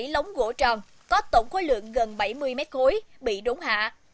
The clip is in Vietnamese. hai mươi bảy lống gỗ tròn có tổng khối lượng gần bảy mươi mét khối bị đống hạ